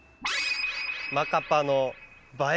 マカパの映え